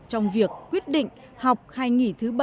trong việc quyết định học hay nghỉ thứ bảy